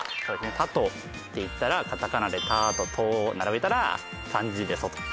「たと」でいったらカタカナで「タ」と「ト」を並べたら漢字で「外」。